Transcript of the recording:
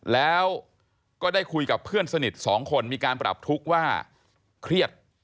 แล้วก็ได้คุยกับเพื่อนสนิทสองคนมีการปรับทุกข์ว่าเครียด